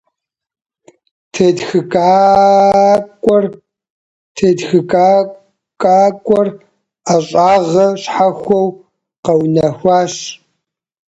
Тетхыкӏакӏуэр ӏэщӏагъэ щхьэхуэу къэунэхуащ.